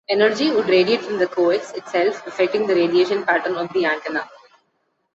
Energy would radiate from the coax itself, affecting the radiation pattern of the antenna.